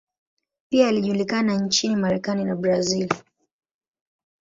Pia alijulikana nchini Marekani na Brazil.